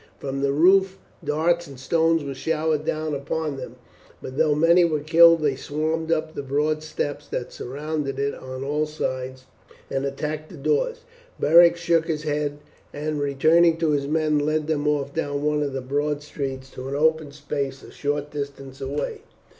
From the roof darts and stones were showered down upon them; but though many were killed they swarmed up the broad steps that surrounded it on all sides and attacked the doors. Beric shook his head, and returning to his men led them off down one of the broad streets to an open space a short distance away.